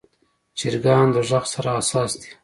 چرګان د غږ سره حساس دي.